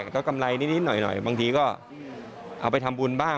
ก็กำไรนิดหน่อยบางทีก็เอาไปทำบุญบ้าง